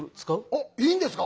あっいいんですか⁉